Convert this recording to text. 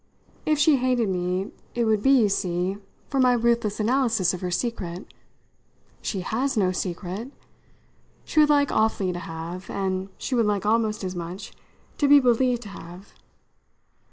If she hated me it would be, you see, for my ruthless analysis of her secret. She has no secret. She would like awfully to have and she would like almost as much to be believed to have.